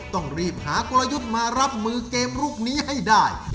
ต้องรีบหากลยุทธ์มารับมือเกมลูกนี้ให้ได้